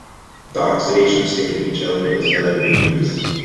The oxidation state of each element is unambiguous.